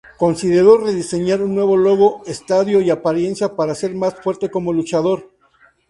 Consideró rediseñar un nuevo logo, estadio y apariencia para ser más fuerte como luchador.